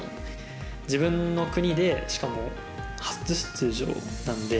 自分の国でしかも、初出場なので。